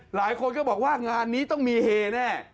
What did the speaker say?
หลายคนก็บอกว่างานนี้ต้องมีเฮแน่